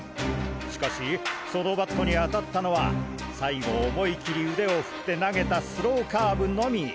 しかしそのバットに当たったのは最後思い切り腕を振って投げたスローカーブのみ！